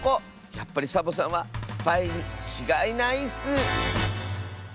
やっぱりサボさんはスパイにちがいないッス！